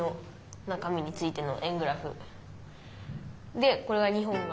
「でこれが日本が」。